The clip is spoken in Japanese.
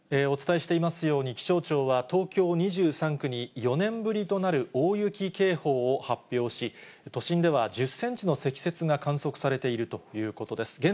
お伝えしていますように、気象庁は、東京２３区に４年ぶりとなる大雪警報を発表し、都心では１０センチの積雪が観測されているということです。